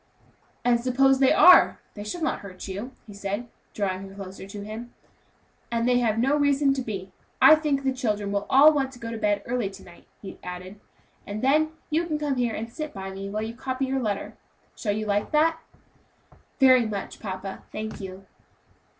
"And suppose they are! they shall not hurt you," he said, drawing her closer to him; "and they have no reason to be. I think the children will all want to go to bed early to night," he added, "and then you can come here and sit by me while you copy your letter; shall you like that?" "Very much, papa, thank you."